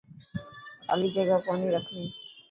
خالي جگا ڪوني رکڻي.